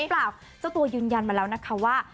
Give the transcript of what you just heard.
เปล่าเจ้าตัวยืนยันมาแล้วนะคะว่า